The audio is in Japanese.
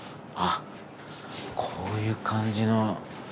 あっこういう感じの。